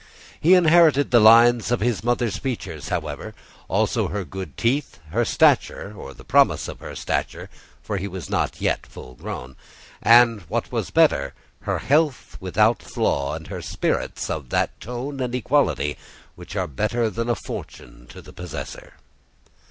He inherited the lines of his mother's features, however; also her good teeth, her stature (or the promise of her stature, for he was not yet full grown), and, what was better, her health without flaw, and her spirits of that tone and equality which are better than a fortune to the possessor.